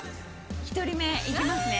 １人目いきますね。